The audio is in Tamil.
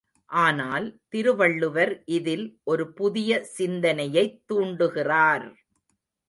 ஆனால், திருவள்ளுவர் இதில் ஒரு புதிய சிந்தனையைத் தூண்டுகிறார்!